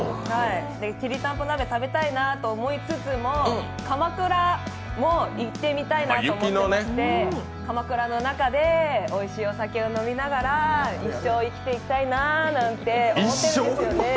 きりたんぽ鍋食べたいなと思いつつもかまくらも行ってみたいなと思っていてかまくらの中でおいしいお酒を飲みながら一生、生きていきたいなと思っているんですよね。